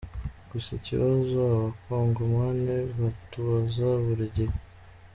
Gusa ikibazo abakongomani batubaza buri gihe.